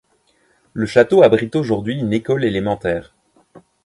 Le château abrite aujourd'hui une école élémentaire.